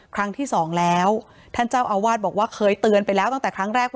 ครั้งที่สองแล้วท่านเจ้าอาวาสบอกว่าเคยเตือนไปแล้วตั้งแต่ครั้งแรกว่า